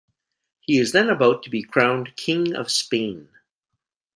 He is then about to be crowned King of Spain.